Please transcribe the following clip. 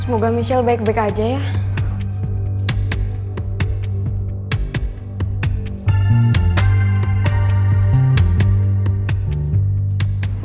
semoga michelle baik baik aja ya